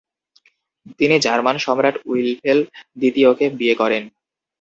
তিনি জার্মান সম্রাট উইলফেল দ্বিতীয়কে বিয়ে করেন।